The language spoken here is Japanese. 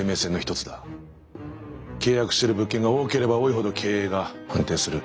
契約してる物件が多ければ多いほど経営が安定する。